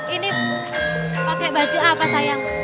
ini pakai baju apa sayang